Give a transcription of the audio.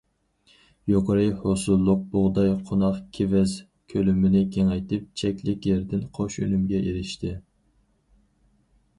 يۇقىرى ھوسۇللۇق بۇغداي، قوناق، كېۋەز كۆلىمىنى كېڭەيتىپ، چەكلىك يەردىن قوش ئۈنۈمگە ئېرىشتى.